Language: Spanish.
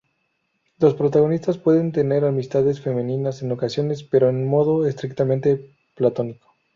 Los protagonistas pueden tener amistades femeninas en ocasiones, pero en un modo estrictamente platónico.